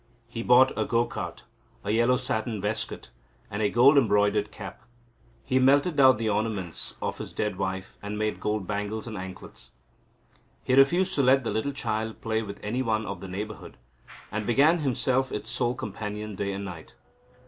He bought a go cart, a yellow satin waistcoat, and a gold embroidered cap. He melted down the ornaments of his dead wife, and made gold bangles and anklets. He refused to let the little child play with any one of the neighbourhood, and became himself its sole companion day and night.